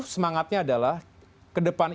semangatnya adalah ke depan